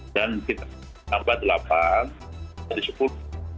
dan kita tambah delapan jadi sepuluh